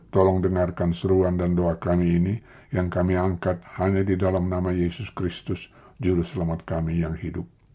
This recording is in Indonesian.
tolong dengarkan seruan dan doa kami ini yang kami angkat hanya di dalam nama yesus kristus juru selamat kami yang hidup